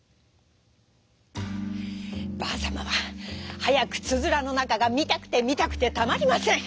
ばあさまははやくつづらのなかがみたくてみたくてたまりません。